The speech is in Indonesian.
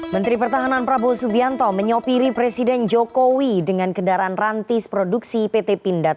menteri pertahanan prabowo subianto menyopiri presiden jokowi dengan kendaraan rantis produksi pt pindad